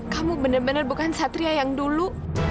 kamu bener bener bukan satria yang dulu